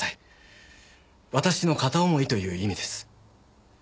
私の片思いという意味です。